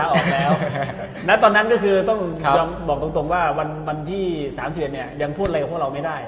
และตอนนั้นต้องบอกตรงว่าวันที่๓๑เนี่ยยังพูดอะไรกับพวกเราไม่ได้